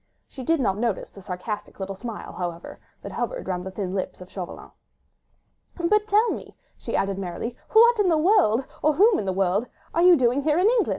She did not notice the sarcastic little smile, however, that hovered round the thin lips of Chauvelin. "But tell me," she added merrily, "what in the world, or whom in the world, are you doing here in England?"